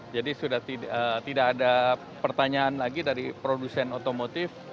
jadi sudah tidak ada pertanyaan lagi dari produsen otomotif